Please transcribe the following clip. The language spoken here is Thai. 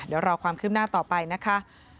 เดี๋ยวรอความคืบหน้าต่อไปนะคะ